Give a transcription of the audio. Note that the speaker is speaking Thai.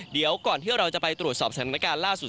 เดี๋ยวก่อนที่เราจะไปตรวจสอบสถานการณ์ล่าสุด